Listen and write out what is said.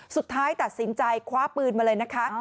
สุดท้ายตัดสินใจคว้าปืนมาเลยนะคะ